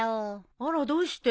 あらどうして？